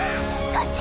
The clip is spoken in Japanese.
こっち！